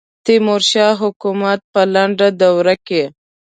د تیمور شاه حکومت په لنډه دوره کې.